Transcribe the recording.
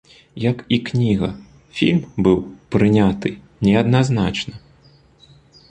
Як і кніга, фільм быў прыняты неадназначна.